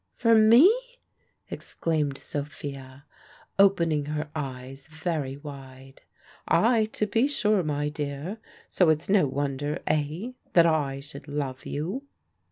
"For me?" exclaimed Sophia, opening her eyes very wide. "Ay, to be sure, my dear. So it's no wonder eh? that I should love you."